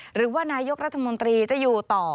หรือว่านายกรัฐมนตรีจะอยู่ต่อ